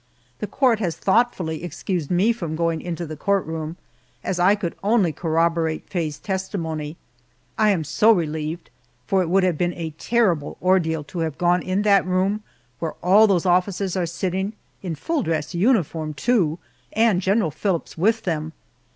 The court has thoughtfully excused me from going into the court room, as I could only corroborate Faye's testimony. I am so relieved, for it would have been a terrible ordeal to have gone in that room where all those officers are sitting, in full dress uniform, too, and General Phillips with them.